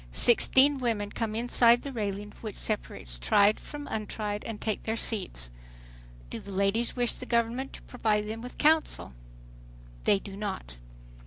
Sixteen women come inside the railing which separates "tried" from "untried" and take their seats. "Do the ladies wish the government to provide them with counsel?" They do not.